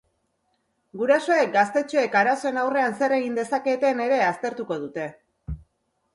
Gurasoek gaztetxoek arazoen aurrean zer egin dezaketen ere aztertuko dute.